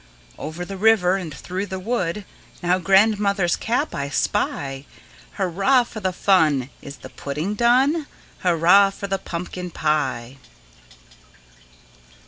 Over the river, and through the wood Now grandmother's cap I spy! Hurra for the fun! Is the pudding done? Hurra for the pumpkin pie!